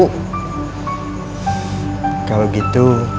nanti akan sampaikan sama ibu